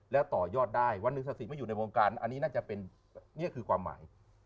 แล้วต่อยอดได้วันหนึ่งศักดิ์ไม่อยู่ในวงการอันนี้น่าจะเป็นนี่คือความหมาย